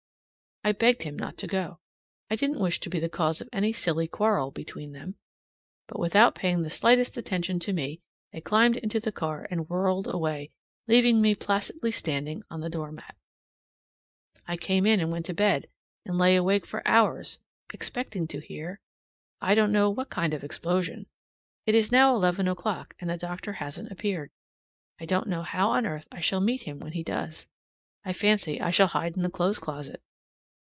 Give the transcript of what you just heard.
I begged him not to go. I didn't wish to be the cause of any silly quarrel between them. But without paying the slightest attention to me, they climbed into the car, and whirled away, leaving me placidly standing on the door mat. I came in and went to bed, and lay awake for hours, expecting to hear I don't know what kind of explosion. It is now eleven o'clock, and the doctor hasn't appeared. I don't know how on earth I shall meet him when he does. I fancy I shall hide in the clothes closet.